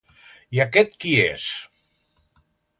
I aquest qui és?